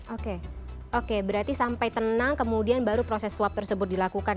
oke oke berarti sampai tenang kemudian baru proses swab tersebut dilakukan